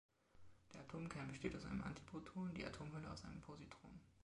Der Atomkern besteht aus einem Antiproton, die Atomhülle aus einem Positron.